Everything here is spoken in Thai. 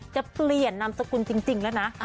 จะเปลี่ยนนามสกุลจริงแล้วนะ